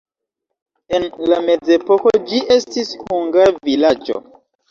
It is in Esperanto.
En la mezepoko ĝi estis hungara vilaĝo.